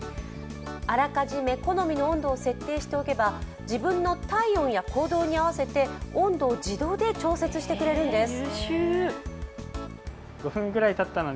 あらかじめ好みの温度を設定しておけば、自分の体温や行動に合わせて温度を自動で調節してくれるんです。